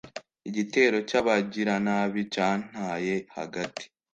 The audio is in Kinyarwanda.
igitero cy'abagiranabi cyantaye hagati